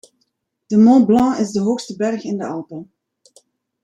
De Mont Blanc is de hoogste berg in de Alpen.